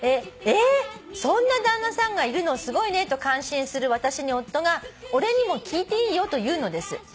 「『えーっそんな旦那さんがいるのすごいね』と感心する私に夫が『俺にも聞いていいよ』と言うのです」